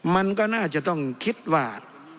มันก็น่าจะต้องคิดว่า